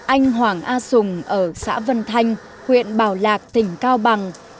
anh hoàng a sùng ở xã vân thanh huyện bảo lạc tỉnh cao bằng